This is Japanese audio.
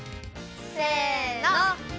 せの。